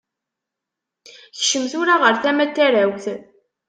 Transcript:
Kcem tura ɣer tama n tarawt.